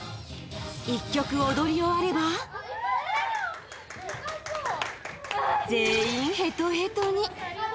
１曲踊り終われば全員へとへとに。